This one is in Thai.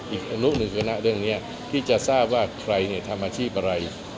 อีกอนุหนึ่งคือนะเรื่องนี้พี่จะทราบว่าใครทำอาชีพอะไร